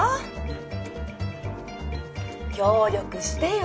協力してよ。